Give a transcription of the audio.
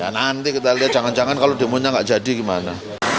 nanti kita lihat jangan jangan kalau demonya nggak jadi gimana